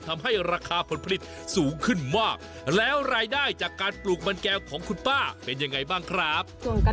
ทำให้ราคาผลผลิตสูงขึ้นมากแล้วรายได้จากการปลูกมันแก้วของคุณป้าเป็นยังไงบ้างครับ